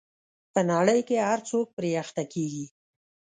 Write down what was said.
په نړۍ کې هر څوک پرې اخته کېږي.